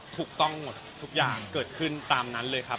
ถูกต้องหมดทุกอย่างเกิดขึ้นตามนั้นเลยครับ